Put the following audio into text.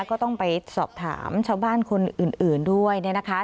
ก็ต้องไปสอบถามชาวบ้านคนอื่นด้วยเนี่ยนะคะ